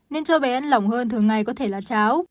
nên cho bé ăn lỏng hơn thường ngày có thể là cháo